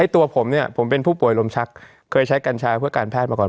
ตัวผมเนี่ยผมเป็นผู้ป่วยลมชักเคยใช้กัญชาเพื่อการแพทย์มาก่อน